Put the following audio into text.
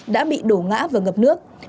đã bị đổ ngã và ngập nước